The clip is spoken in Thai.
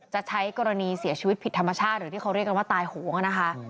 จะใช้กรณีเสียชีวิตผิดธรรมชาติหรือที่เขาเรียกกันว่าตายโหงนะคะ